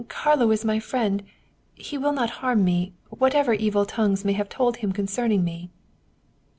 Carlo is my friend he will not harm me, whatever evil tongues may have told him concerning me."